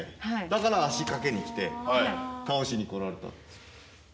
だから足かけにきて倒しにこられた。